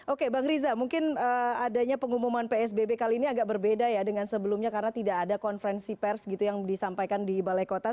oke bang riza mungkin adanya pengumuman psbb kali ini agak berbeda ya dengan sebelumnya karena tidak ada konferensi pers gitu yang disampaikan di balai kota